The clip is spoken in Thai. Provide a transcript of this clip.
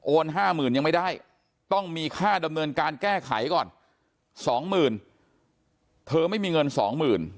โอน๕๐๐๐๐ยังไม่ได้ต้องมีค่าดำเนินการแก้ไขก่อน๒๐๐๐๐บาทเธอไม่มีเงิน๒๐๐๐๐บาท